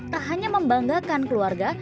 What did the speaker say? tak hanya membanggakan keluarga